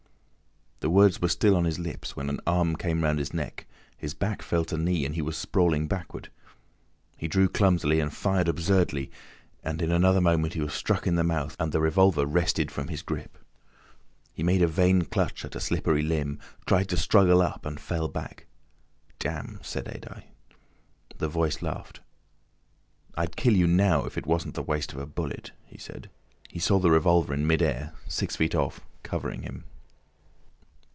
The words were still on his lips, when an arm came round his neck, his back felt a knee, and he was sprawling backward. He drew clumsily and fired absurdly, and in another moment he was struck in the mouth and the revolver wrested from his grip. He made a vain clutch at a slippery limb, tried to struggle up and fell back. "Damn!" said Adye. The Voice laughed. "I'd kill you now if it wasn't the waste of a bullet," it said. He saw the revolver in mid air, six feet off, covering him.